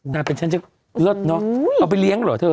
น่าเป็นชั้นเจ็บเลิศเนาะเอาไปเลี้ยงเหรอเธอ